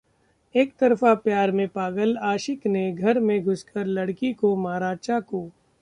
एकतरफा प्यार में पागल आशिक ने घर में घुसकर लड़की को मारा चाकू